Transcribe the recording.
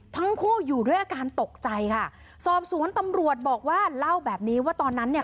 ทั้งคู่อยู่ด้วยอาการตกใจค่ะสอบสวนตำรวจบอกว่าเล่าแบบนี้ว่าตอนนั้นเนี่ย